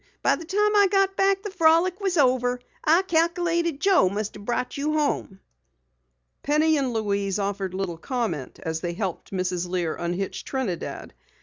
By the time I got back the frolic was over. I calculated Joe must have brought you home." Penny and Louise offered little comment as they helped Mrs. Lear unhitch Trinidad.